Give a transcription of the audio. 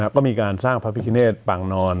ก็มีการสร้างพระพิคเนตปางนอน